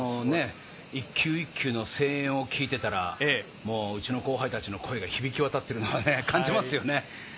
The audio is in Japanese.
一球一球の声援を聞いていたら、うちの後輩たちの声が響き渡っているのを感じますね。